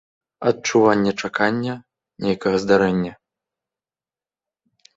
Адчуванне чакання нейкага здарэння.